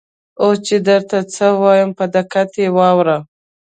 اوس چې درته څه وایم په دقت یې واوره.